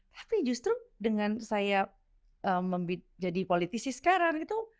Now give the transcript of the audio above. tapi justru dengan saya jadi politisi sekarang gitu